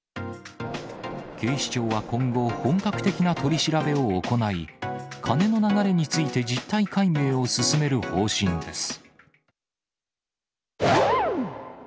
警視庁は今後、本格的な取り調べを行い、金の流れについて、実態解明を進める方針です。